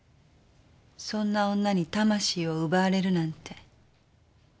そんな女に魂を奪われるなんて。